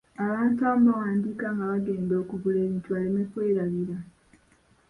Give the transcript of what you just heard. Abantu abamu bawandiika nga bagenda okugula ebintu baleme kwerabira.